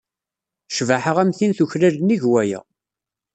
Ccbaḥa am tin tuklal nnig waya.